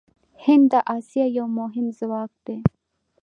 هند د اسیا یو مهم ځواک دی.